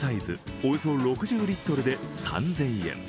およそ６０リットルで３０００円。